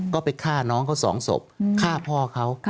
ก็ไปฆ่าน้องเขาสองศพฆ่าพ่อเขา